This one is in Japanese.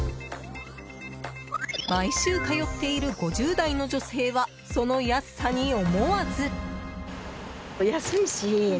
毎週通っている５０代の女性はその安さに思わず。